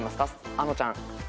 あのちゃん。